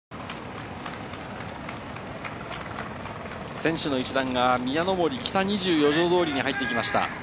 選手の一団が宮の森・北２４条通に入ってきました。